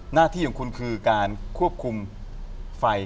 หน้าที่ของคุณคือการควบคุมไฟ